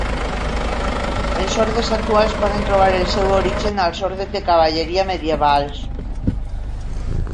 Els ordes actuals poden trobar el seu origen als Ordes de cavalleria medievals.